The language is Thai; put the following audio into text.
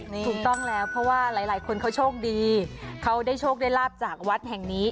ถูกต้องแล้วเพราะว่าหลายคนเขาโชคดีเขาได้โชคได้ลาบจากวัดแห่งนี้